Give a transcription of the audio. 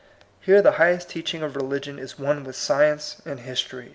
Here the highest teaching of religion is one with science and history.